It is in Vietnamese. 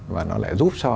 và nó lại giúp cho